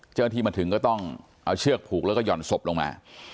เจ้าหน้าที่มาถึงก็ต้องเอาเชือกผูกแล้วก็ห่อนศพลงมา